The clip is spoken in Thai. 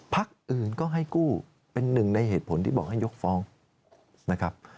พักอื่นก็ให้กู้เป็นหนึ่งในเหตุผลที่บอกให้ยกฟ้องนะครับ